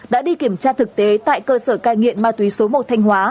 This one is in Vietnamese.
đã đi kiểm tra thực tế tại cơ sở cai nghiện ma túy số một thanh hóa